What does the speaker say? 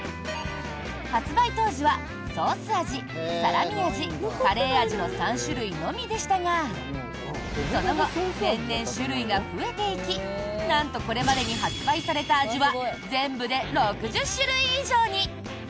発売当時はソース味、サラミ味、カレー味の３種類のみでしたがその後、年々種類が増えていきなんとこれまでに発売された味は全部で６０種類以上に！